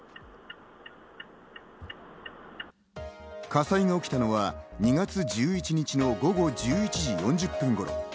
火災が起きたのは２月１１日の午後１１時４０分頃。